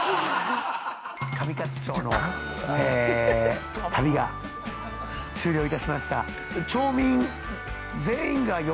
上勝町の旅が終了いたしました。